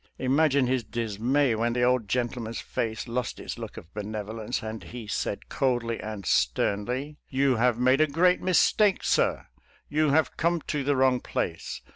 Imagine his dismay whfen the old gentleman's face' lost its look of benevolence and he said coldly and sternly, "'You' have made a great mistake, sir — ^yon have come to the wrong place.